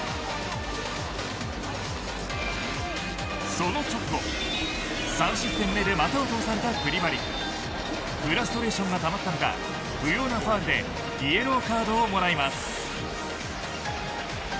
その直後３失点目で股を通されたクリバリフラストレーションがたまったのか不要なファウルでイエローカードをもらいます。